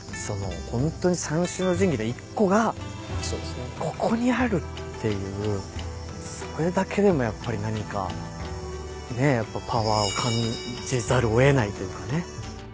ホントに三種の神器の一個がここにあるっていうそれだけでもやっぱり何かパワーを感じざるを得ないというかね。